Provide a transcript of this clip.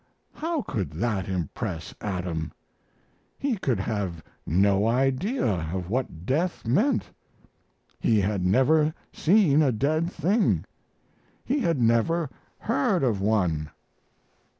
How could that impress Adam? He could have no idea of what death meant. He had never seen a dead thing. He had never heard of one.